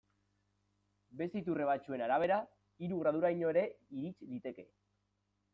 Beste iturri batzuen arabera, hiru graduraino ere irits liteke.